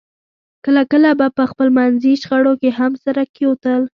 کله کله به په خپلمنځي شخړو کې هم سره کېوتل